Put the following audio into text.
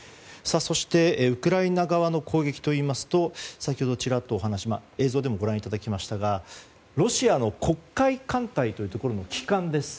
そしてウクライナ側の攻撃といいますと先ほどちらっと映像でもご覧いただきましたがロシアの黒海艦隊の旗艦です。